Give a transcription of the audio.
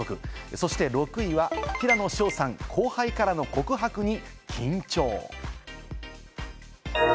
そして６位は平野紫耀さん、後輩からの告白に緊張。